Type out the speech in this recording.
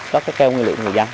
các kheo nguyên liệu người dân